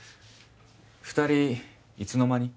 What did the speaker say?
二人いつの間に？